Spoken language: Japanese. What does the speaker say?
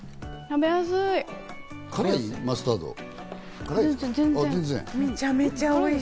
食べやすい！